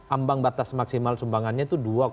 ambang batas maksimal sumbangannya itu